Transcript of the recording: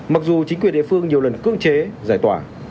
mặc dù chính quyền địa phương nhiều lần cưỡng chế giải tỏa